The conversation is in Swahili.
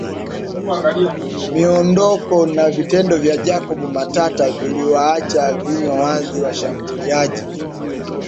Miondoko na vitendo vya Jacob Matata viliwaacha vinywa wazi washambuliaji